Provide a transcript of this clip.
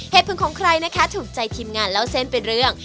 ของใครนะคะถูกใจทีมงานเล่าเส้นเป็นเรื่อง